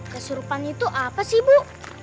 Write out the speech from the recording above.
kesurupannya itu apa sih bu